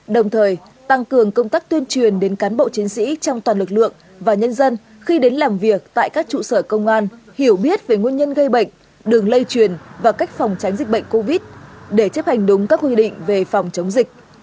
đồng thời tăng cường công tác tuyên truyền đến cán bộ chiến sĩ trong toàn lực lượng và nhân dân khi đến làm việc tại các trụ sở công an hiểu biết về nguyên nhân gây bệnh đường lây truyền và cách phòng tránh dịch bệnh covid để chấp hành đúng các quy định về phòng chống dịch